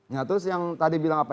ya terus yang tadi bilang apa